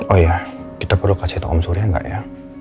oh iya kita perlu kasih tau om surya gak ya